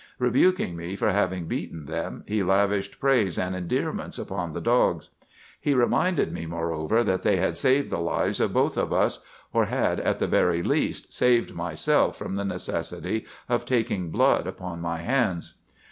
Rebuking me for having beaten them, he lavished praise and endearments upon the dogs. "He reminded me, moreover, that they had saved the lives of both of us, or had, at the very least, saved myself from the necessity of taking blood upon my hands.